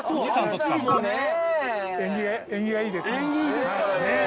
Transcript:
縁起いいですからね。